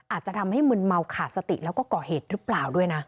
อาจจะทำให้มึนเมาขาดสติแล้วก็ก่อเหตุหรือเปล่าด้วยนะ